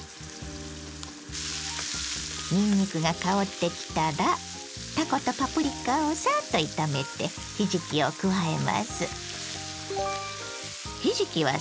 にんにくが香ってきたらたことパプリカをさっと炒めてひじきを加えます。